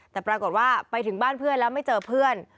แต่ปรากฏว่าไปถึงบ้านเพื่อนแล้วไม่เจอเพื่อน